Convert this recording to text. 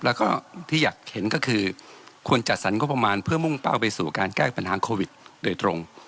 แล้วก็ที่อยากเห็นก็คือควรจัดสรรงบประมาณเพื่อมุ่งเป้าไปสู่การแก้ปัญหาโควิดโดยตรง